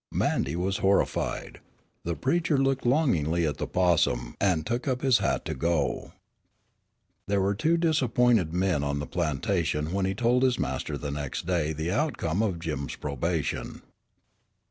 Mandy was horrified. The preacher looked longingly at the possum, and took up his hat to go. There were two disappointed men on the plantation when he told his master the next day the outcome of Jim's probation.